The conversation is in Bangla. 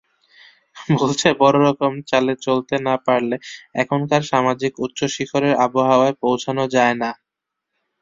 বলছে, বড়োরকম চালে চলতে না পারলে এখানকার সামাজিক উচ্চশিখরের আবহাওয়ায় পৌঁছনো যায় না।